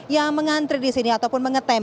yang mengantri di sini ataupun mengetem